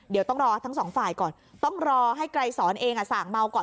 เดี๋ยวต้องรอทั้งสองฝ่ายก่อนต้องรอให้ไกรสอนเองสั่งเมาก่อน